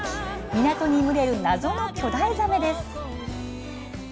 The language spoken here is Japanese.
港に群れる謎の巨大ザメ」です。